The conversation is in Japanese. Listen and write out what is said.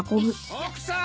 ・奥さん。